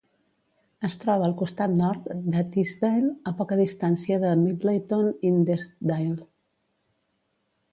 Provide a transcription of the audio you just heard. Es troba al costat nord de Teesdale, a poca distància de Middleton-in-Teesdale.